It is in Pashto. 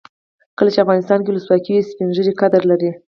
کله چې افغانستان کې ولسواکي وي سپین ږیري قدر لري.